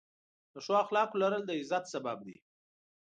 د ښو اخلاقو لرل، د عزت سبب دی.